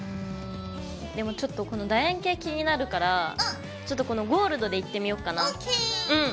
でもちょっとこのだ円形気になるからちょっとこのゴールドでいってみようかな。ＯＫ！